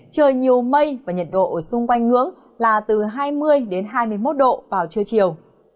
trời nhiều mây và nhiệt độ ở xung quanh ngưỡng là từ hai mươi đến hai mươi một độ vào trưa chiều